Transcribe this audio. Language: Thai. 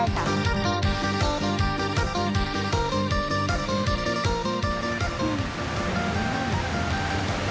อื้อ